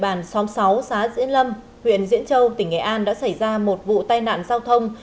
địa bàn xóm sáu xã diễn lâm huyện diễn châu tỉnh nghệ an đã xảy ra một vụ tai nạn giao thông